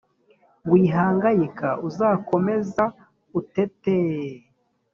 Wihangayika, uzakomeza uteteee